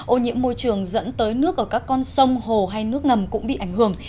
ô nhiễm môi trường dẫn tới nước ở các con sông hồ hay nước ngầm cũng bị ảnh hưởng